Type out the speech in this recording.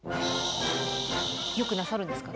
よくなさるんですか？